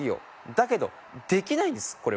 だけどできないんですこれは。